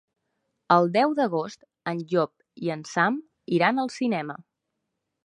El deu d'agost en Llop i en Sam iran al cinema.